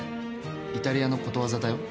イタリアのことわざだよ。